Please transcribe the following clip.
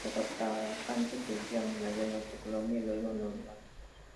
Los atacantes desviaron el avión hacia Colombia y luego lo llevaron a Cuba.